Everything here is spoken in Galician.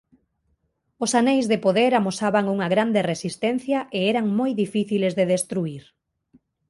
Os Aneis de Poder amosaban unha grande resistencia e eran moi difíciles de destruír.